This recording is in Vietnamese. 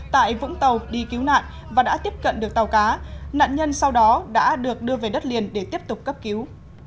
tại vũng tàu đi cứu nạn và đã tiếp cận được tàu cá nạn nhân sau đó đã được đưa về đất liền để tiếp tục cấp cứu